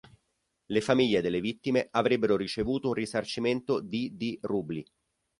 Le famiglie delle vittime avrebbero ricevuto un risarcimento di di rubli.